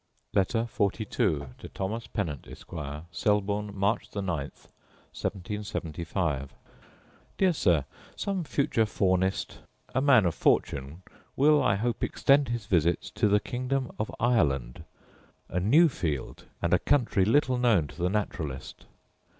Letter XLII To Thomas Pennant, Esquire Selborne, March 9, 1775. Dear Sir, Some future faunist, a man of fortune, will, I hope, extend his visits to the kingdom of Ireland; a new field, and a country little known to the naturalist.